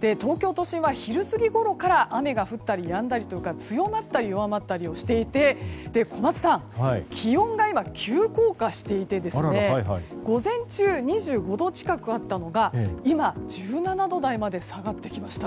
東京都心は、昼過ぎごろから雨が降ったりやんだりというか強まったり弱まったりをしていて小松さん、気温が今急降下していて午前中、２５度近くあったのが今、１７度台まで下がってきました。